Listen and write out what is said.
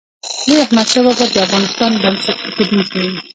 لوی احمدشاه بابا د افغانستان بنسټ ایښودونکی و.